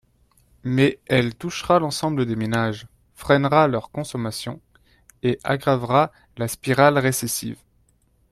Mais elle touchera l’ensemble des ménages, freinera leur consommation et aggravera la spirale récessive.